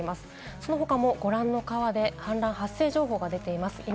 その他もご覧の川で氾濫発生情報が出ています。